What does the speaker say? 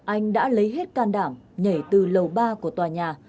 anh đã lấy hết can đảm nhảy từ lầu ba của tòa nhà